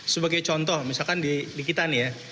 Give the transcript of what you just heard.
sebagai contoh misalkan di kita nih ya